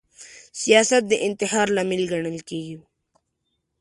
سیاست د انتحار لامل ګڼل کیږي